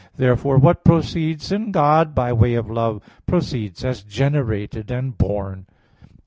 Therefore what proceeds in God by way of love, proceeds as generated and born.